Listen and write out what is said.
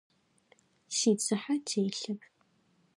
Сицыхьэ телъэп.